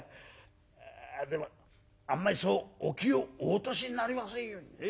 あでもあんまりそうお気をお落としになりませんように。